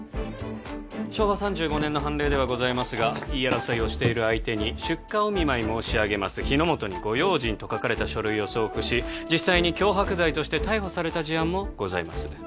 昭和３５年の判例ではございますが言い争いをしている相手に「出火お見舞い申し上げます火の元にご用心」と書かれた書類を送付し実際に脅迫罪として逮捕された事案もございます